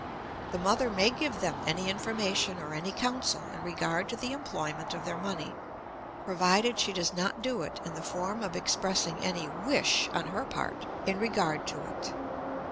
The mother may give them any information or any counsel in regard to the employment of their money, provided she does not do it in the form of expressing any wish, on her part, in regard to it.